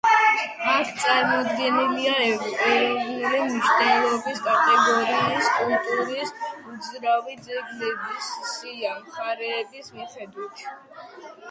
აქ წარმოდგენილია ეროვნული მნიშვნელობის კატეგორიის კულტურის უძრავი ძეგლების სია მხარეების მიხედვით.